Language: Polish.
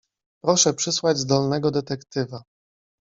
Proszę przysłać zdolnego detektywa.